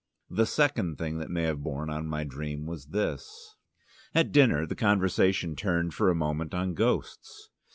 The second thing that may have borne on my dream was this. At dinner the conversation turned for a moment on ghosts.